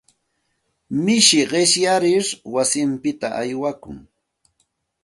Mishi qishyayar wasinpita aywakun.